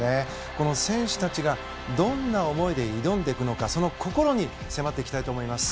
この選手たちがどんな思いで挑んでいくのかその心に迫っていきたいと思います。